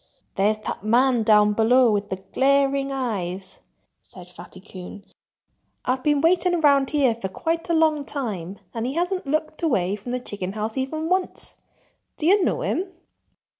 "There's that man down below, with the glaring eyes—" said Fatty Coon. "I've been waiting around here for quite a long time and he hasn't looked away from the chicken house even once.... Do you know him?"